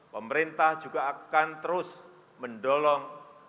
pemerintah juga akan terus mendorong